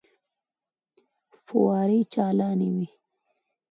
فوارې چالانې وې.